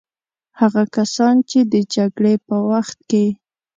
هغه کسان چې د جګړې په وخت کې.